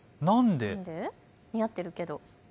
似合ってるけど。